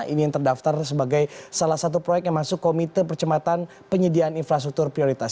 ini yang terdaftar sebagai salah satu proyek yang masuk komite percepatan penyediaan infrastruktur prioritas